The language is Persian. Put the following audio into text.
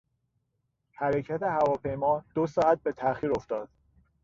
حرکت هواپیما دو ساعت به تاخیر افتاد.